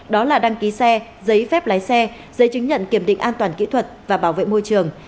đó là đăng ký xe giấy phép lái xe giấy chứng nhận kiểm định an toàn kỹ thuật và bảo vệ môi trường